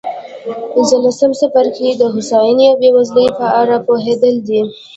پنځلسم څپرکی د هوساینې او بېوزلۍ په اړه پوهېدل دي.